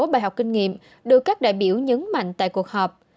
bài học kinh nghiệm được các đại biểu nhấn mạnh tại cuộc họp